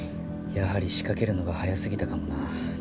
やはり仕掛けるのが早すぎたかもな。